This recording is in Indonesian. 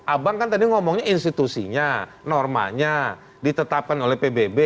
abang kan tadi ngomongnya institusinya normanya ditetapkan oleh pbb